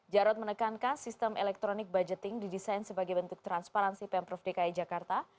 jarod menekankan sistem elektronik budgeting didesain sebagai bentuk transparansi pemprov dki jakarta